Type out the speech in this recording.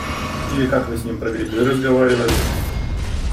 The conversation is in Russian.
Или как Вы с ним про грибы разговаривали.